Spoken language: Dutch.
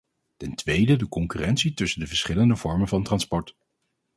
Ten tweede de concurrentie tussen de verschillende vormen van transport.